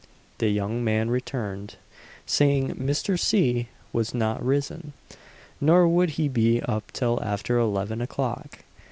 The young man returned, saying Mr. C. was not risen, nor would he be up till after eleven o'clock.